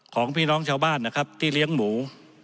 ของพี่น้องชาวบ้านนะครับที่เลี้ยงหมู